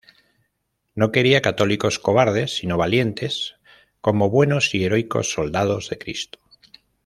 No quería católicos cobardes, sino valientes como buenos y heroicos soldados de Cristo.